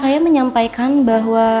saya menyampaikan bahwa